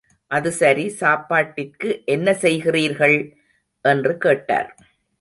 அது சரி சாப்பாட்டிற்கு என்ன செய்கிறீர்கள்? என்று கேட்டார்.